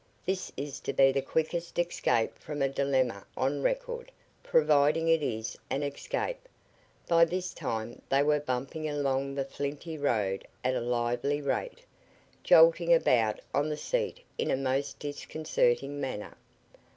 This is to be the quickest escape from a dilemma on record providing it is an escape." By this time they were bumping along the flinty road at a lively rate, jolting about on the seat in a most disconcerting manner.